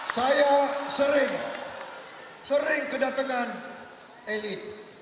saya sering sering kedatangan elit